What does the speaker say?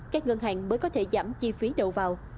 các ngân hàng mới có thể giảm chi phí đầu vào